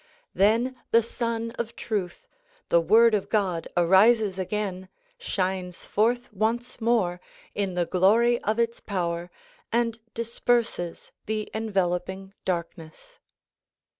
Then the Sun of Truth, the Word of God arises again, shines forth once more in the gloiy of its power and disperses the enveloping darkness.